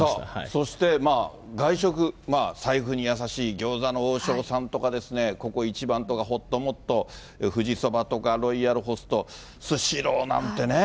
そして、外食、財布に優しい餃子の王将さんとか、ココ壱番とか、ほっともっと、富士そばとか、ロイヤルホスト、スシローなんてね。